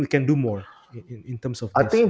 apa yang bisa kita lakukan lebih banyak